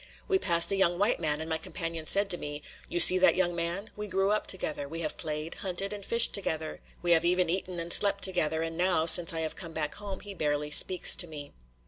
We passed a young white man, and my companion said to me: "You see that young man? We grew up together; we have played, hunted, and fished together; we have even eaten and slept together; and now since I have come back home, he barely speaks to me."